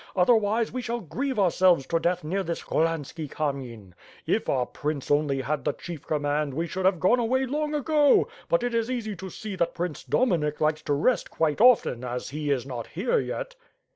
Otherwise, we shall grieve ourselves to death near this Cholhanski Kamyen. If our prince only had the chief command we should have gone away long ago. But it is easy to see that Prince Do minik likes to rest quite often as he is not here yet."